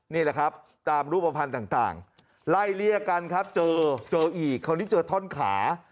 นี่แหละครับตามรูปภัณฑ์ต่างไล่เลี่ยกันครับเจอเจออีกคราวนี้เจอท่อนขา